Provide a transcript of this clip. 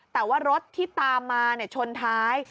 แต่ว่ารถที่ตามมาชนท้าย